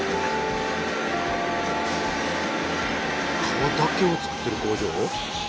皮だけを作ってる工場？